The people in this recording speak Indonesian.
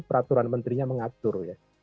peraturan menterinya mengatur ya